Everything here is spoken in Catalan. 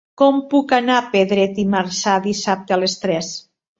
Com puc anar a Pedret i Marzà dissabte a les tres?